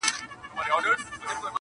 څوک چي په تېغ لوبي کوي زخمي به سینه!!